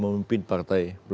kehidupan yang lebih baik